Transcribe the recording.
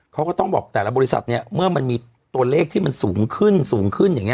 เขาก็ต้องบอกแต่ละบริษัทเนี่ยเมื่อมันมีตัวเลขที่มันสูงขึ้นสูงขึ้นอย่างนี้